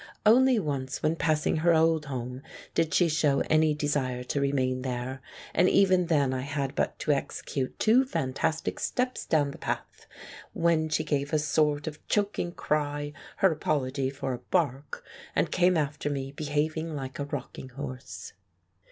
Only once when passing her old home did she show any desire to remain there, and even then I had but to execute two fantastic steps down the path, when she gave a sort of choking cry, her apology for a bark, and came after me behaving like a rocking horse.